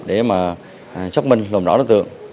để mà xác minh lùng đỏ đối tượng